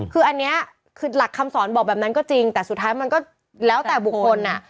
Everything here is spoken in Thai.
คืออันนี้คือหลักคำสอนบอกแบบนั้นก็จริงแต่สุดท้ายมันก็แล้วแต่บุคคลอ่ะ